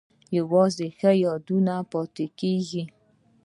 یوازې ښه یادونه پاتې کیږي